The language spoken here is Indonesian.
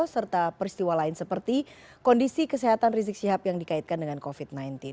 serta peristiwa lain seperti kondisi kesehatan rizik syihab yang dikaitkan dengan covid sembilan belas